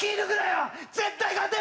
絶対勝てる！